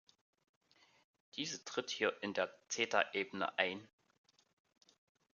Diese tritt hier in die Zeta-Ebene ein.